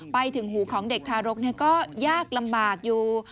ไปถึงหูของเด็กทารกก็ยากลำบากอยู่